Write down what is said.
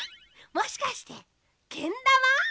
もしかしてけんだま？